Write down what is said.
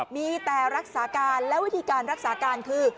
มีแต่รักษาการและวิธีการรักษาการคือ